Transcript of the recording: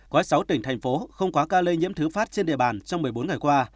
có sáu tỉnh thành phố không có ca lây nhiễm thứ phát trên địa bàn trong một mươi bốn ngày qua